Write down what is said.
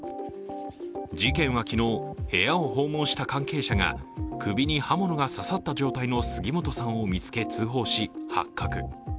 事件は昨日、部屋を訪問した関係者が首に刃物が刺さった状態の杉本さんを見つけ、発覚。